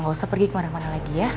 nggak usah pergi kemana mana lagi ya